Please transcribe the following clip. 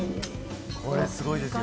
これすごいですよ。